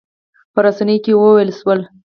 په رسنیو کې وویل شول.